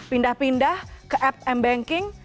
pindah pindah ke app mbanking